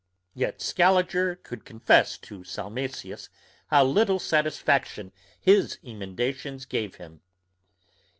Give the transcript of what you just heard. Yet Scaliger could confess to Salmasius how little satisfaction his emendations gave him.